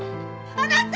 あなた！